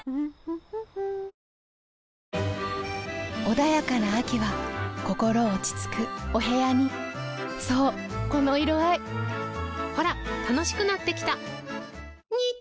穏やかな秋は心落ち着くお部屋にそうこの色合いほら楽しくなってきた！